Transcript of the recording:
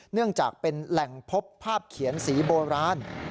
เนื่องจากเป็นแหล่งพบภาพเขียนสีโบราณ